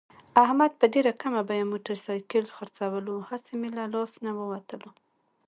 احمد په ډېره کمه بیه موټرسایکل خرڅولو، هسې مه له لاس نه ووتلو.